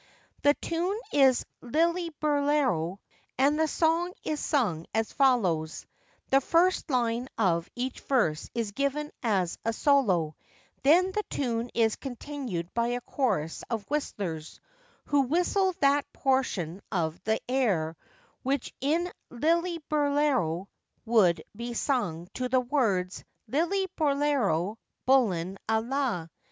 The tune is Lilli burlero, and the song is sung as follows:—the first line of each verse is given as a solo; then the tune is continued by a chorus of whistlers, who whistle that portion of the air which in Lilli burlero would be sung to the words, Lilli burlero bullen a la.